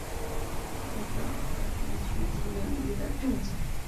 大多数委员会协调某些具体领域的政策。